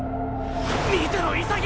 見てろ潔！